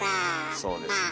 そうですね。